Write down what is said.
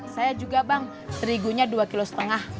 saya juga bang terigunya dua kilo setengah